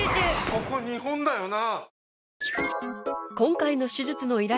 ここ日本だよな？